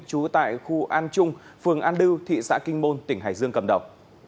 trú tại khu an trung phường an đư thị xã kinh môn tỉnh hải dương cầm đầu